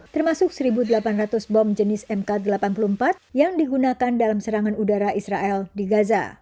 termasuk satu delapan ratus bom jenis mk delapan puluh empat yang digunakan dalam serangan udara israel di gaza